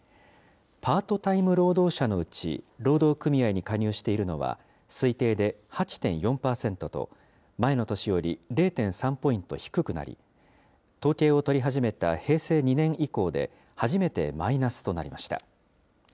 パートタイム労働者のうち労働組合に加入しているのは、推定で８．４％と前の年より０．３ポイント低くなり、統計を取り始めた平成２年以降で初めてマイナスとなりました。